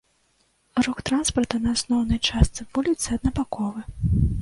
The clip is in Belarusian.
Рух транспарта на асноўнай частцы вуліцы аднабаковы.